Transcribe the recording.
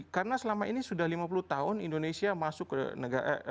karena selama ini sudah lima puluh tahun indonesia masuk ke negara